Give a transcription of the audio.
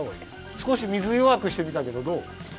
すこし水よわくしてみたけどどう？